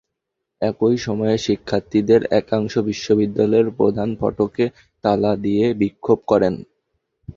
একই সময়ে শিক্ষার্থীদের একাংশ বিশ্ববিদ্যালয়ের প্রধান ফটকে তালা দিয়ে বিক্ষোভ করেন।